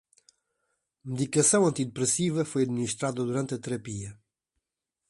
Medicação antidepressiva foi administrada durante a terapia